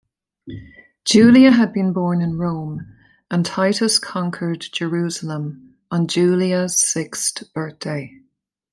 Julia had been born in Rome and Titus conquered Jerusalem on Julia's sixth birthday.